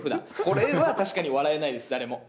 これは確かに笑えないです、誰も。